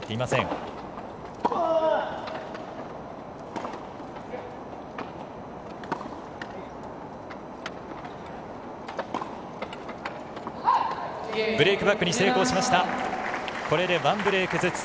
これで１ブレークずつ。